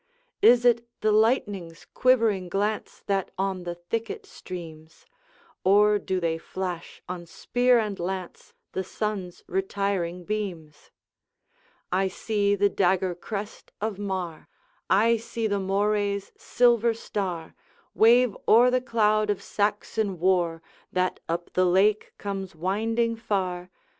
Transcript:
Is it the lightning's quivering glance That on the thicket streams, Or do they flash on spear and lance The sun's retiring beams? I see the dagger crest of Mar, I see the Moray's silver star, Wave o'er the cloud of Saxon war, That up the lake comes winding far!